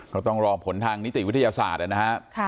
ก็ต้องรอผลทางนิติวิทยาศาสตร์นะครับ